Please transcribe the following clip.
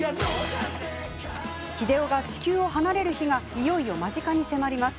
日出男が地球を離れる日がいよいよ間近に迫ります。